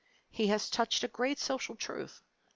He has touched a great social truth.